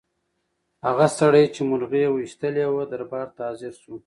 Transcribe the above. هغه سړی چې مرغۍ یې ویشتلې وه دربار ته حاضر شو.